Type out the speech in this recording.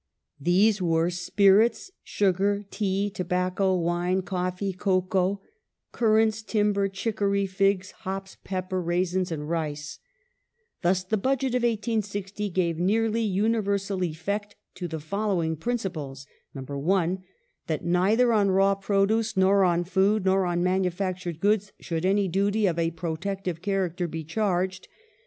These were : spirits, sugar, tea, tobacco, wine, coffee, cocoa, currants, timber, chicory, figs, hops, pepper, raisins, and rice. Thus the Budget of 1860 gave " nearly universal effect to the following principles :—" 1. That neither on raw produce, nor on food, nor on manu factured goods should any duty of a protective character be charged.